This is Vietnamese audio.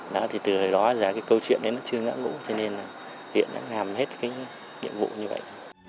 đó thì từ hồi đó ra cái câu chuyện đấy nó chưa ngã ngũ cho nên là huyện đã làm hết cái nhiệm vụ như vậy